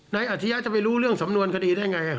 อาจยะจะไปรู้เรื่องสำนวนคดีได้ไง